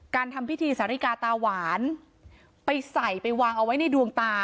ทำพิธีสาริกาตาหวานไปใส่ไปวางเอาไว้ในดวงตา